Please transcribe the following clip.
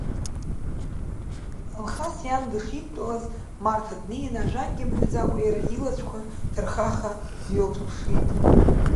Алхас иан дышидтәалаз Марҭа днеин, ажәакгьы мҳәаӡакәа иара илацәақәа ҭырхаха дҩылҿаԥшит.